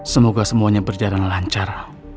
semoga semuanya berjalan lancar